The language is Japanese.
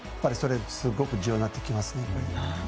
すごく重要になってきますね。